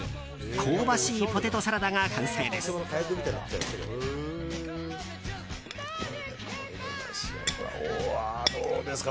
香ばしいポテトサラダが完成です。